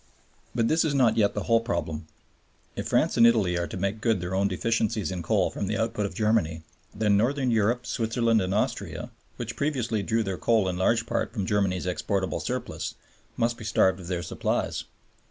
But this is not yet the whole problem. If France and Italy are to make good their own deficiencies in coal from the output of Germany, then Northern Europe, Switzerland, and Austria, which previously drew their coal in large part from Germany's exportable surplus, must be starved of their supplies.